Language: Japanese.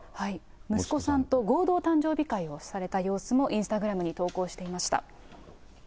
息子さんと合同誕生日会をされた様子もインスタグラムに投稿